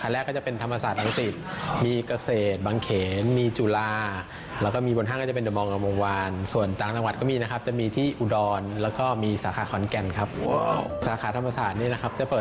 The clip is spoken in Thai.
แล้วก็เปิดทุกวันไม่มีวันหยุดนะครับ